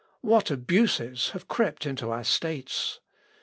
What abuses have crept into our states!